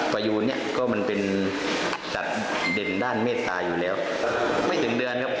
ประยูนเนี่ยก็มันเป็นสัตว์เด่นด้านเมตตาอยู่แล้วไม่ถึงเดือนครับ